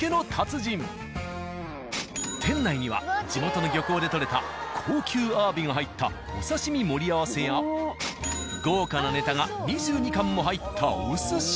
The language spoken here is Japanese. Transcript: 店内には地元の漁港で取れた高級アワビが入ったお刺身盛り合わせや豪華なネタが２２貫も入ったお寿司。